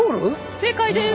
正解です。